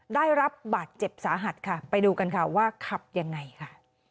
ได้รับบาดเจ็บสาหัสค่ะไปดูกันค่ะว่าขับยังไงค่ะ